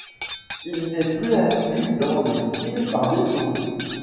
Il n'est plus inclus dans les styles par défaut.